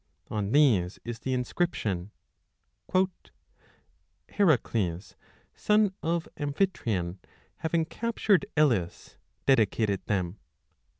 On these is the 25 inscription Heracles, son of Amphitryon, having cap tured Elis, dedicated them